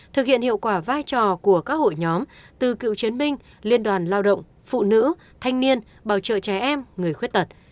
thực hiện hiệu quả vai trò của các hội nhóm từ cựu chiến binh liên đoàn lao động phụ nữ thanh niên bảo trợ trẻ em người khuyết tật